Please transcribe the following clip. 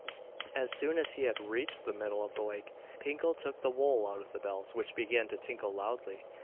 As soon as he had reached the middle of the lake, Pinkel took the wool out of the bells, which began to tinkle loudly.